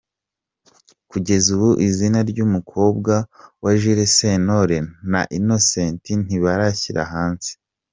Kugeza ubu izina ry’umukobwa wa Jules Sentore na Innocente ntibararishyira hanze.